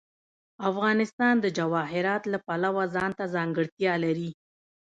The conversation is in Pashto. افغانستان د جواهرات د پلوه ځانته ځانګړتیا لري.